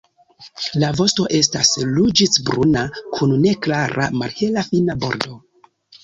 La vosto estas ruĝecbruna kun neklara malhela fina bordo.